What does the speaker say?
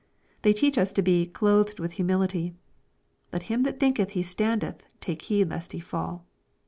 They teach us to be "clothed with humility." "Let him that thinketh he standethtake heed lest he fall."